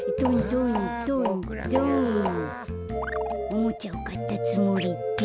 おもちゃをかったつもりで。